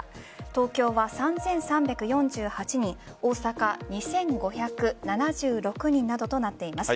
東京は３３４８人大阪２５７６人などとなっています。